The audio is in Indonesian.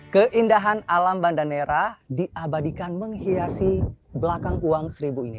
keindahan alam banda nera diabadikan menghiasi belakang uang seribu ini